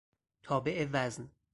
تابع وزن